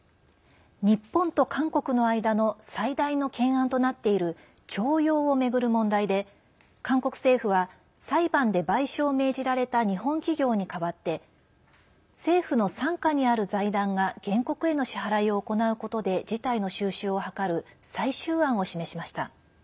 日本と韓国の間の最大の懸案となっている徴用を巡る問題で、韓国政府は裁判で賠償を命じられた日本企業に代わって政府の傘下にある財団が原告への支払いを行うことで事態の収拾を図る最終案を示しました。